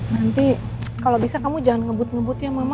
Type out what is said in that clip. nanti kalau bisa kamu jangan ngebut ngebut ya mama